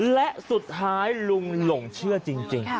และสุดท้ายลุงหลงเชื่อจริง